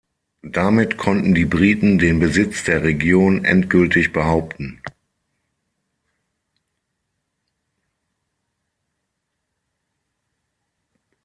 Damit konnten die Briten den Besitz der Region endgültig behaupten.